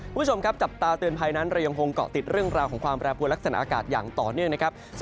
คุณผู้ชมครับจับตาเตือนภัยนั้นเรายังคงเกาะติดเรื่องราวของความแปรปวดลักษณะอากาศอย่างต่อเนื่องนะครับ